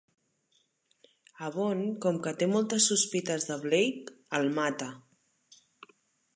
Avon, com que té moltes sospites de Blake, el mata.